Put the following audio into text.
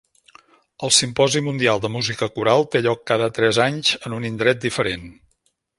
El Simposi Mundial de Música Coral té lloc cada tres anys en un indret diferent.